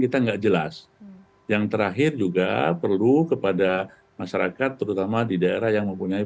kita enggak jelas yang terakhir juga perlu kepada masyarakat terutama di daerah yang mempunyai